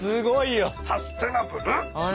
サステナブル！